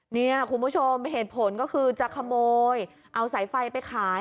เนี่ยคุณผู้ชมเหตุผลก็คือจะขโมยเอาสายไฟไปขาย